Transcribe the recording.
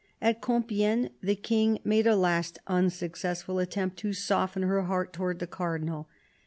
At Compifegne the King made a last unsuccessful attempt to soften her heart towards the Cardinal.